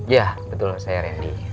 iya betul saya rendy